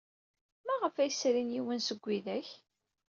Maɣef ay srin yiwen seg widak?